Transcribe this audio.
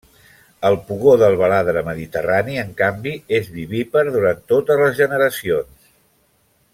El pugó del baladre mediterrani, en canvi, és vivípar durant totes les generacions.